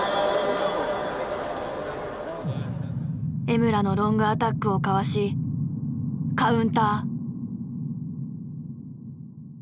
江村のロングアタックをかわしカウンター。